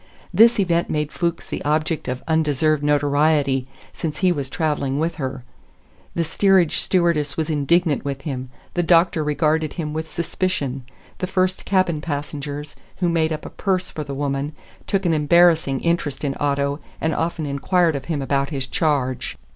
This event made Fuchs the object of undeserved notoriety, since he was traveling with her. The steerage stewardess was indignant with him, the doctor regarded him with suspicion. The first cabin passengers, who made up a purse for the woman, took an embarrassing interest in Otto, and often inquired of him about his charge.